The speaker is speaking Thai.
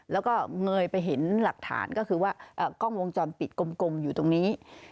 แล้วก็เงยไปเห็นหลักฐานก็คือว่ากล้องวงจรปิดกลมอยู่ตรงนี้